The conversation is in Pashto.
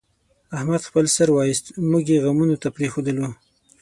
احمد خپل سر وایست، موږ یې غمونو ته پرېښودلو.